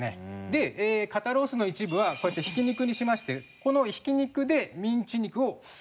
で肩ロースの一部はこうやってひき肉にしましてこのひき肉でミンチ肉をつなぎます。